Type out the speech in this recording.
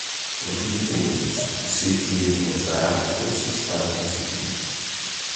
Eu acredito em Deus e sei que Ele nos dará forças para prosseguirmos.